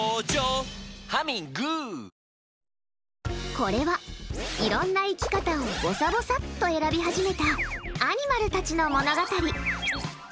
これは、いろんな生き方をぼさぼさっと選び始めたアニマルたちの物語。